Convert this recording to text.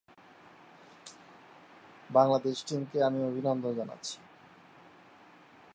এজন্য তাকে সবাই 'লাভ গুরু' বলে ডাকেন।